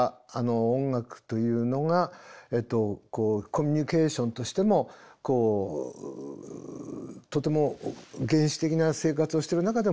音楽というのがこうコミュニケーションとしてもこうとても原始的な生活をしてる中でも出ると。